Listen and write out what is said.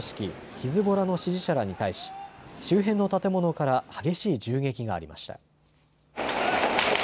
ヒズボラの支持者らに対し周辺の建物から激しい銃撃がありました。